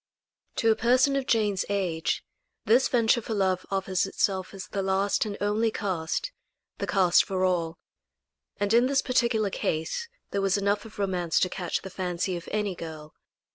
To a person of Jane's age, this venture for love offers itself as the last and only cast the cast for all and in this particular case there was enough of romance to catch the fancy of any girl.